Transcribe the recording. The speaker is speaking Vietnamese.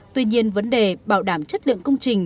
tuy nhiên vấn đề bảo đảm chất lượng công trình